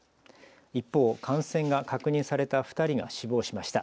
一方、感染が確認された２人が死亡しました。